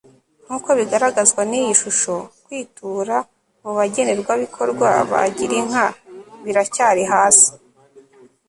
nk uko bigaragazwa n iyi shusho kwitura mu bagenerwabikorwa ba girinka biracyari hasi